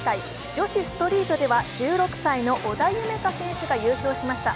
女子トリートでは１６歳の織田夢海選手が優勝しました。